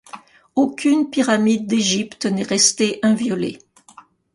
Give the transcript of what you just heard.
Aucune pyramide d'Égypte n'est restée inviolée.